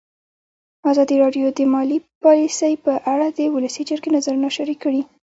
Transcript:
ازادي راډیو د مالي پالیسي په اړه د ولسي جرګې نظرونه شریک کړي.